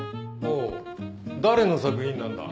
お誰の作品なんだ？